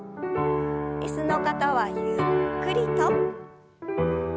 椅子の方はゆっくりと。